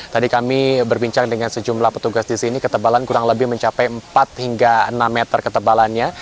tadi kami berbincang dengan sejumlah petugas di sini ketebalan kurang lebih mencapai empat hingga enam meter ketebalannya